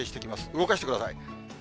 動かしてください。